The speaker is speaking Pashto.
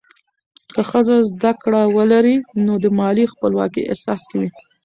که ښځه زده کړه ولري، نو د مالي خپلواکۍ احساس کوي.